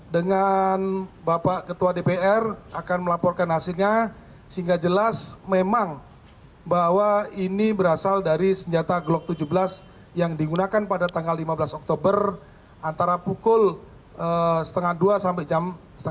dengan bapak ketua dpr akan melaporkan hasilnya sehingga jelas memang bahwa ini berasal dari senjata glock tujuh belas yang digunakan pada tanggal lima belas oktober antara pukul dua belas tiga puluh sampai jam lima belas tiga puluh